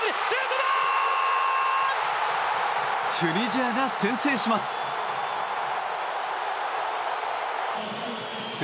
チュニジアが先制します。